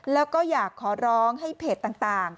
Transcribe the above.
แล้วก็อยากขอร้องให้เพจต่าง